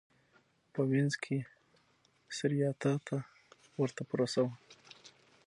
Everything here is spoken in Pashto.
په وینز کې سېراتا ته ورته پروسه وه.